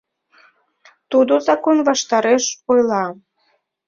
Тудо закон ваштареш ойла.